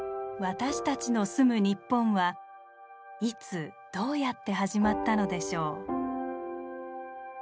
私たちの住む日本はいつどうやって始まったのでしょう。